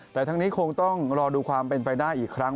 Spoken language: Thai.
แต่ทั้งนี้คงต้องรอดูความเป็นไปได้อีกครั้ง